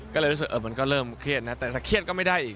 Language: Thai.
ก็เลยรู้สึกมันก็เริ่มเครียดนะแต่ถ้าเครียดก็ไม่ได้อีก